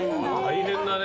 大変だね。